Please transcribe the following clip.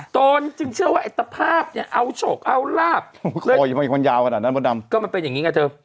โตนจึงเชื่อว่าไอ้ตะภาพเนี่ยเอาโฉกเอาราบก็มันเป็นอย่างนี้กับเธอ